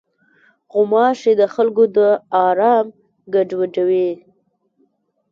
غوماشې د خلکو د آرام ګډوډوي.